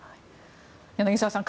柳澤さん